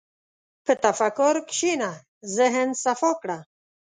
په تفکر کښېنه، ذهن صفا کړه.